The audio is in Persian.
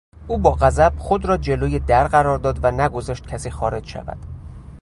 او با غضب خود را جلوی در قرار داد و نگذاشت کسی خارج شود.